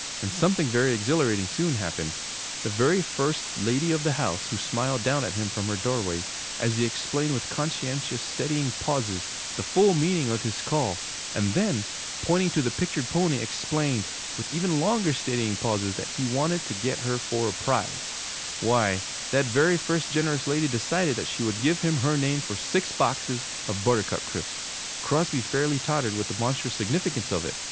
And something very exhilarating soon happened. The very first 'lady of the house' who smiled down at him from her doorway, as he explained with conscientious, steadying pauses, the full meaning of his call, and then, pointing to the pictured pony, explained, with even longer steadying pauses, that he wanted to get her for a prize why, that very first generous lady decided that she would give him her name for six boxes of Buttercup Crisps! Crosby fairly tottered with the monstrous significance of it.